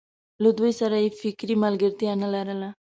له دوی سره یې فکري ملګرتیا نه لرله.